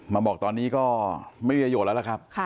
มาบอกตอนนี้ก็ไม่มีประโยชน์แล้วล่ะครับ